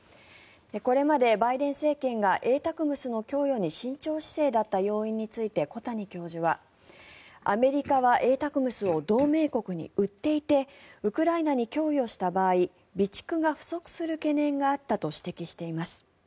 これまでバイデン政権がＡＴＡＣＭＳの供与に慎重姿勢だった要因について小谷教授はアメリカはＡＴＡＣＭＳを同盟国に売っていてウクライナに供与した場合備蓄が不足する懸念があったと指摘しています。